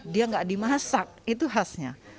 dia nggak dimasak itu khasnya